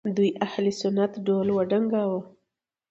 دوی اهل سنت ډول وډنګاوه